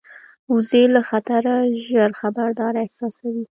وزې له خطره ژر خبرداری احساسوي